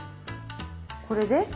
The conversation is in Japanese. これで？